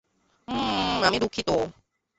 ওম, আমি দুঃখিত।